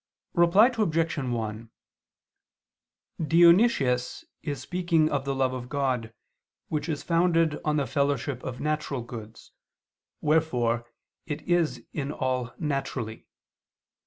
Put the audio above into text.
Reply Obj. 1: Dionysius is speaking of the love of God, which is founded on the fellowship of natural goods, wherefore it is in all naturally.